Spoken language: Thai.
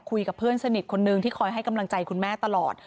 คุยกับเพื่อนสนิทคนนึงที่คอยให้กำลังใจคุณแม่ตลอด